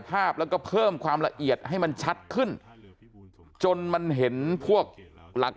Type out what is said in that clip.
ภาพแล้วก็เพิ่มความละเอียดให้มันชัดขึ้นจนมันเห็นพวกหลัก